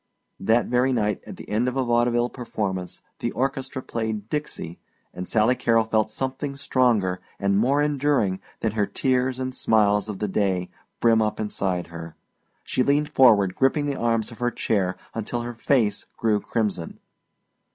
That very night at the end of a vaudeville performance the orchestra played "Dixie" and Sally Carrol felt something stronger and more enduring than her tears and smiles of the day brim up inside her. She leaned forward gripping the arms of her chair until her face grew crimson.